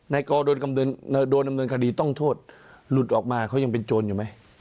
กอโดนดำเนินคดีต้องโทษหลุดออกมาเขายังเป็นโจรอยู่ไหม